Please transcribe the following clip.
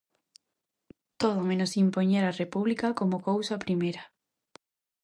Todo menos impoñer a República como cousa primeira.